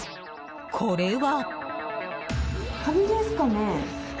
これは。